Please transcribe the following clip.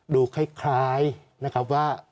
ดูคล้ายนะครับว่า